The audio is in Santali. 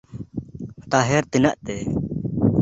ᱛᱟᱦᱮᱨ ᱛᱤᱱᱟᱹᱜ ᱛᱮ?